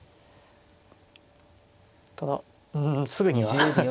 ただうんすぐには。